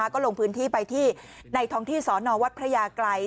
ก็ลงพื้นที่ไปที่ในท้องที่สอนอวัดพระยาไกร